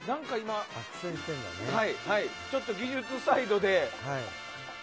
ちょっと技術サイドで。